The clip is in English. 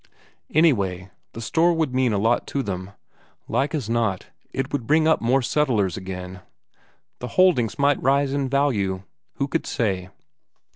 Anyway, the store would mean a lot to them; like as not, it would bring up more settlers again. The holdings might rise in value who could say?